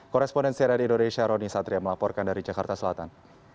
korespondensi dari indonesia roni satria melaporkan dari jakarta selatan